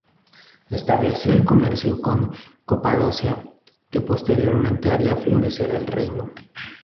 Estableció el comercio con Capadocia, que posteriormente haría florecer el reino.